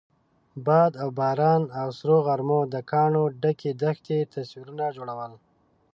باد او باران او سرو غرمو د کاڼو ډکې دښتې تصویرونه جوړول.